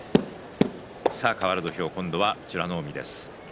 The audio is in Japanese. かわる土俵、今度は美ノ海です。